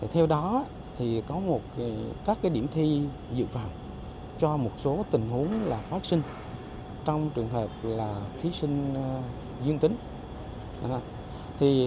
theo đó có các điểm thi dự phòng cho một số tình huống là phát sinh trong trường hợp là thí sinh dương tính